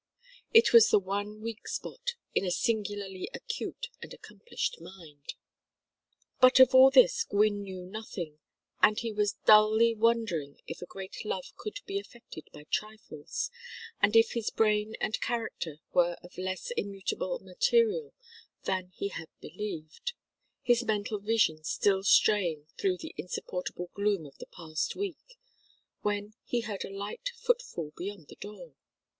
It was the one weak spot in a singularly acute and accomplished mind. But of all this Gwynne knew nothing, and he was dully wondering if a great love could be affected by trifles, and if his brain and character were of less immutable material than he had believed, his mental vision still straying through the insupportable gloom of the past week, when he heard a light foot fall beyond the door.